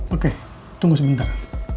oke tunggu sebentar